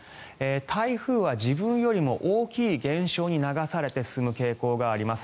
台風は自分よりも大きい現象に流されて進む傾向があります。